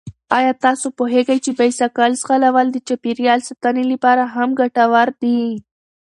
آیا تاسو پوهېږئ چې بايسکل ځغلول د چاپېریال ساتنې لپاره هم ګټور دي؟